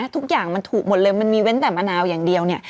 ทุกอย่างมันถูกหมดเลยมันมีเว้นแต่มะนาวอย่างเดียวเนี่ย